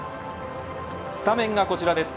スタメンがこちらです。